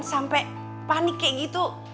sampai panik kayak gitu